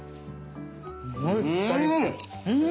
うん！